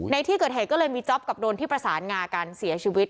ในที่เกิดเหตุก็เลยมีจ๊อปกับโดนที่ประสานงากันเสียชีวิต